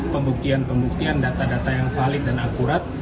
pembuktian pembuktian data data yang valid dan akurat